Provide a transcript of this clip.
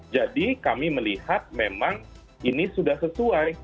jadi kami melihat memang ini sudah sesuai